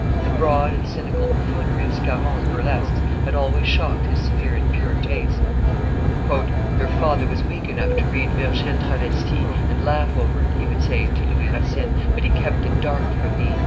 The broad and cynical buffoonery of Scarron's burlesques had always shocked his severe and pure taste. "Your father was weak enough to read Virgile travesti, and laugh over it," he would, say to Louis Racine, "but he kept it dark from me."